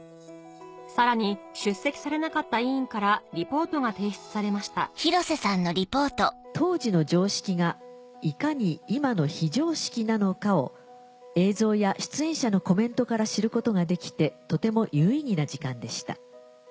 さらに出席されなかった委員からリポートが提出されました「当時の常識がいかに今の非常識なのかを映像や出演者のコメントから知ることができてとても有意義な時間でした。